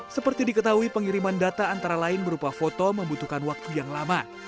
seperti diketahui pengiriman data antara lain berupa foto membutuhkan waktu yang lama